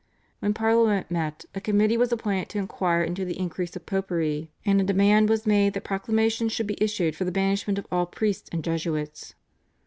When Parliament met a committee was appointed to inquire into the increase of popery, and a demand was made that proclamations should be issued for the banishment of all priests and Jesuits.